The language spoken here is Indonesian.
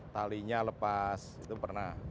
talinya lepas itu pernah